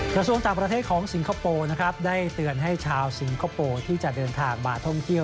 กระทรวงต่างประเทศของสิงคโปร์นะครับได้เตือนให้ชาวสิงคโปร์ที่จะเดินทางมาท่องเที่ยว